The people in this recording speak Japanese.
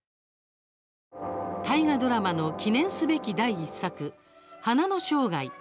大河ドラマの記念すべき第１作「花の生涯」。